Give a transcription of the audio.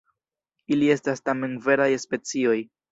Ili estas tamen veraj specioj.